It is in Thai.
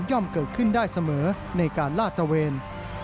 ่อมเกิดขึ้นได้เสมอในการลาดตระเวน